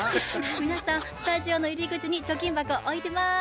皆さんスタジオの入り口に貯金箱置いてます！